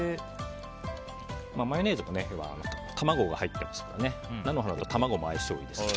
マヨネーズは卵が入っていますから菜の花と卵も相性がいいです。